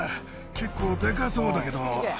結構デカそうだけど。